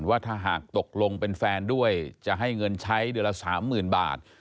ว่าถ้าหากตกลงเป็นแฟนด้วยจะให้เงินใช้เดือนละ๓๐๐๐บาท